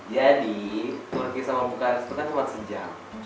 jadi turki sama bukarest itu kan cuma sejam